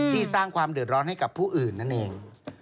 สร้างความเดือดร้อนให้กับผู้อื่นนั่นเอง